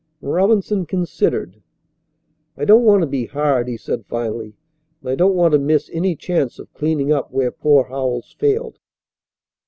Robinson considered. "I don't want to be hard," he said finally, "and I don't want to miss any chance of cleaning up where poor Howells failed."